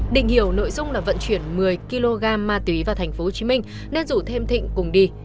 định hiểu nội dung là vận chuyển một mươi kg ma túy vào tp hcm nên rủ thêm thịnh cùng đi